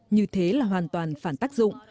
như thế là hoàn toàn phản tác dụng